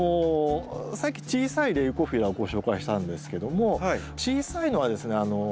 さっき小さいレウコフィラをご紹介したんですけども小さいのはですね